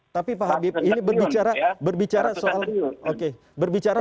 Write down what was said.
tapi pak habib ini berbicara